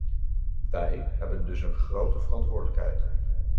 Wij hebben dus een grote verantwoordelijkheid.